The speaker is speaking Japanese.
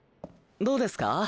どうですか？